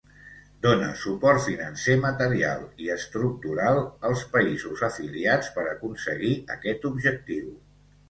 Dóna suport financer, material, i estructural als països afiliats per aconseguir aquest objectiu.